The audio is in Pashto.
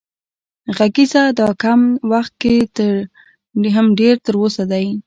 غږېږه دا کم وخت هم ډېر تر اوسه دی